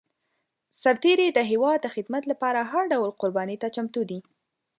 سرتېری د هېواد د خدمت لپاره هر ډول قرباني ته چمتو دی.